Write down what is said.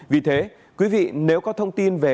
vì thế quý vị nếu có thông tin về